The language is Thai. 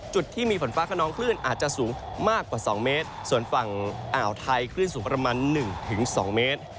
จุดที่มีฝนฟ้าขนองคลื่นอาจจะสูงมากกว่า๒เมตรส่วนฝั่งอ่าวไทยคลื่นสูงประมาณหนึ่งถึงสองเมตร